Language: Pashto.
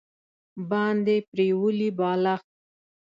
باندې پریولي بالښت